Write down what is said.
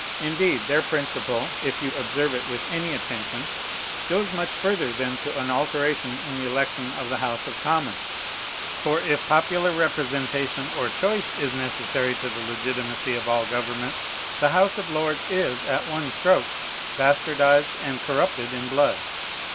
Indeed, their principle, if you observe it with any attention, goes much further than to an alteration in the election of the House of Commons; for, if popular representation, or choice, is necessary to the legitimacy of all government, the House of Lords is, at one stroke, bastardized and corrupted in blood.